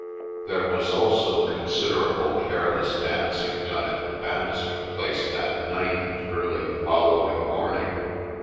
There was also considerable careless dancing done at the Banister place that night and early the following morning.